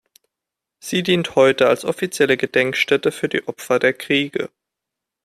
Sie dient heute als offizielle Gedenkstätte für die Opfer der Kriege.